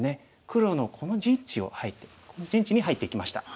黒のこの陣地をこの陣地に入っていきました。